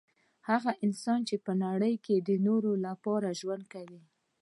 هغه انسان چي په نړۍ کي د نورو لپاره ژوند کوي